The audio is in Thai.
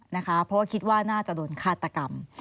เพราะว่าคิดว่าน่าจะโดนฆาตกรรม